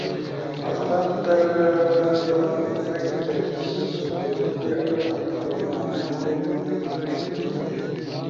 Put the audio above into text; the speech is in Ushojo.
مثال در “ж” ایک روس در ہیجے حرف ہنو لیکن انا انگلش در استعمال نی تھو بینا